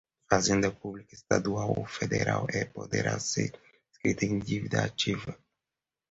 Fazenda Pública estadual ou federal e poderá ser inscrita em dívida ativa